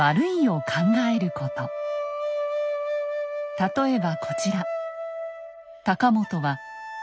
例えばこちら。